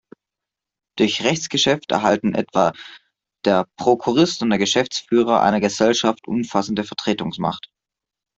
Durch Rechtsgeschäft erhalten etwa der Prokurist und der Geschäftsführer einer Gesellschaft umfassende Vertretungsmacht.